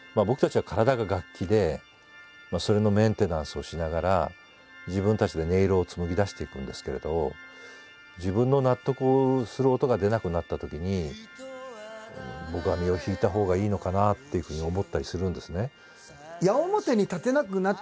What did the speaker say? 僕たちは体が楽器でそれのメンテナンスをしながら自分たちで音色を紡ぎ出していくんですけれど自分の納得する音が出なくなったときに僕は身を引いたほうがいいのかなっていうふうに思ったりするんですね。